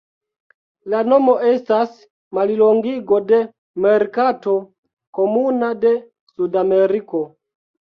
La nomo estas mallongigo de "Merkato Komuna de Sudameriko".